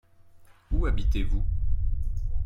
Où habitez-vous ?